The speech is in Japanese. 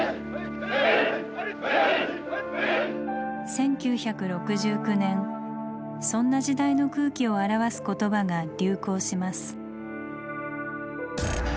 １９６９年そんな時代の空気を表す言葉が流行します。